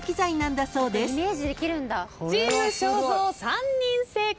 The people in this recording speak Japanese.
チーム正蔵３人正解。